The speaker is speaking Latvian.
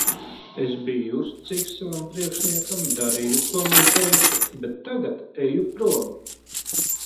Es biju uzticīgs savam priekšniekam, darīju, ko man teica, bet tagad eju prom.